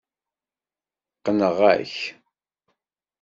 Qqneɣ-ak.